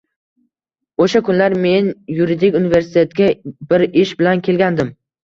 Oʻsha kunlari men yuridik universitetga bir ish bilan kelgandim.